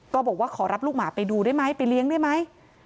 บอกว่าขอรับลูกหมาไปดูได้ไหมไปเลี้ยงได้ไหม